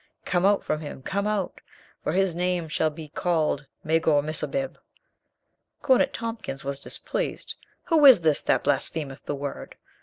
Come out from him, come out; for his name shall be called Magor Missabib." Cornet Tompkins was displeased. "Who is this that blasphemeth the Word?"